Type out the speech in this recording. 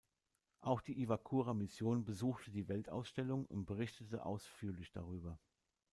Auch die Iwakura-Mission besuchte die Weltausstellung und berichtete ausführlich darüber.